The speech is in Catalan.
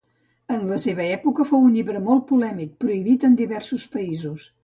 En la seva època fou un llibre molt polèmic, prohibit en diversos països.